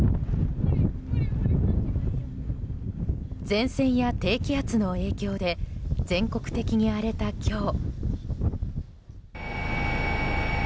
前線や低気圧の影響で全国的に荒れた今日。